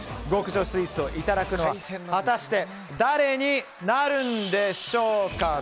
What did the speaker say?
極上スイーツをいただくのは果たして誰になるんでしょうか。